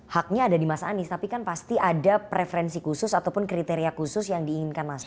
haknya ada di mas anies tapi kan pasti ada preferensi khusus ataupun kriteria khusus yang diinginkan mas anies